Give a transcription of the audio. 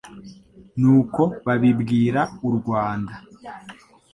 n'uko babibwira u Rwanda